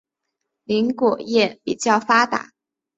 林果业比较发达。